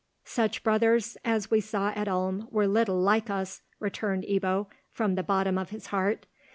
"Such brothers as we saw at Ulm were little like us," returned Ebbo, from the bottom of his heart.